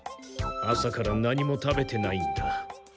朝から何も食べてないんだ。